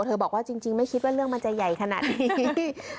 บอกว่าจริงไม่คิดว่าเรื่องมันจะใหญ่ขนาดนี้